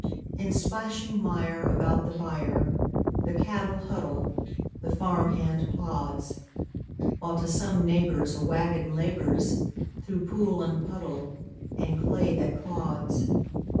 In splashing mire about the byre The cattle huddle, the farm hand plods; While to some neighbor's a wagon labors Through pool and puddle and clay that clods.